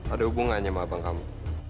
ada hubungannya sama abang kamu